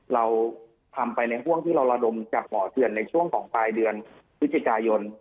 เราทำไปในห่วงที่เราระดมจากบ่อเถื่อนในช่วงของปลายเดือนพฤศจิกายน